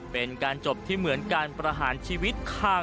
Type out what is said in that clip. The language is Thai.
เป็นการจบที่เหมือนการประหารชีวิตข้างการเมือง